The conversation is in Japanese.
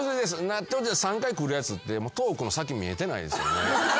３回来るやつってトークの先見えてないですよね。